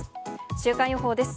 週間予報です。